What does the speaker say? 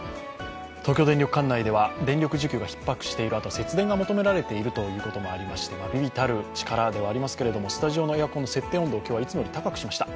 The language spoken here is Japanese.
東京電力管内では電力需給がひっ迫している、あとは節電が求められていることもありまして、微々たる力ではありますがスタジオのエアコン、設定温度はいつもより高くしました。